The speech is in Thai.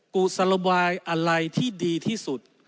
กุศโลบายอะไรที่ดีที่สุด